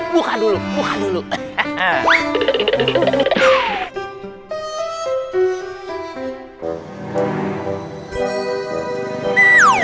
buka dulu buka dulu